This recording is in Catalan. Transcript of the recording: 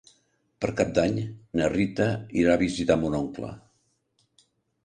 Per Cap d'Any na Rita irà a visitar mon oncle.